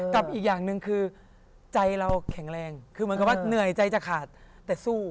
กับอีกอย่างหนึ่งคือใจเราแข็งแรงคือเหมือนกับว่าเหนื่อยใจจะขาดแต่สู้